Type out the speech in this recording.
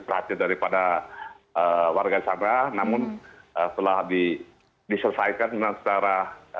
prasid daripada warga sagra namun telah di diselesaikan dengan secara